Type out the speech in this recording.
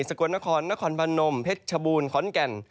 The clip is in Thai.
สะกวดนครนครพันนมเพชรชบูลข้อนแก่น